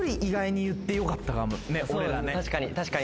確かに。